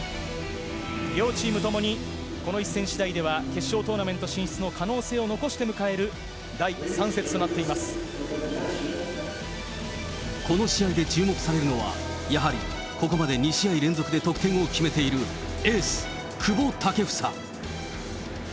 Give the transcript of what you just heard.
両チームともに、この一戦しだいでは決勝トーナメント進出の可能性を残して迎えるこの試合で注目されるのは、やはりここまで２試合連続で得点を決めているエース、久保建英。